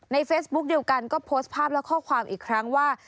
เฟซบุ๊กเดียวกันก็โพสต์ภาพและข้อความอีกครั้งว่า